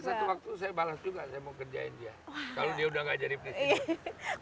tapi nanti suatu waktu saya balas juga saya mau kerjain dia kalau dia udah nggak jadi prinsip